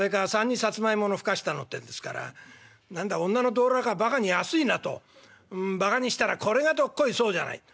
３にサツマイモのふかしたのってんですから何だ女の道楽はバカに安いなとバカにしたらこれがどっこいそうじゃない。